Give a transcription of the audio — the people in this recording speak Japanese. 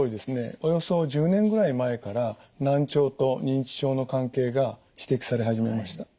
およそ１０年ぐらい前から難聴と認知症の関係が指摘され始めました。